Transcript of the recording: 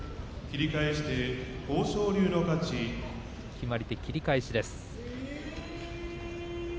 決まり手、切り返しです。